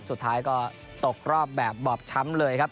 สุดท้ายก็ตกรอบแบบบอบช้ำเลยครับ